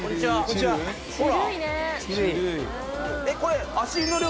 ほら。